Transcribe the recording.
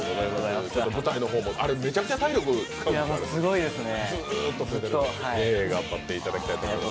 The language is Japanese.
舞台の方も、あれ、めちゃくちゃ体力要りますね。